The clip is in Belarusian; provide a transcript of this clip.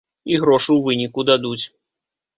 І грошы ў выніку дадуць.